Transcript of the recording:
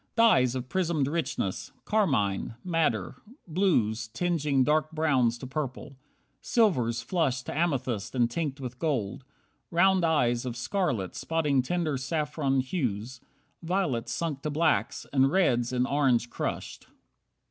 Dyes Of prismed richness: Carmine. Madder. Blues Tinging dark browns to purple. Silvers flushed To amethyst and tinct with gold. Round eyes Of scarlet, spotting tender saffron hues. Violets sunk to blacks, and reds in orange crushed.